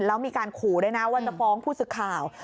แล้วมีการขู่ได้นะวันตะฟองผู้สึกข่าว